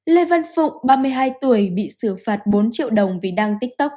lê văn phụng ba mươi hai tuổi bị xử phạt bốn triệu đồng vì đang tiktok